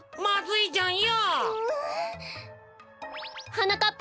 はなかっ